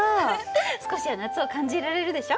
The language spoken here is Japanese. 少しは夏を感じられるでしょ？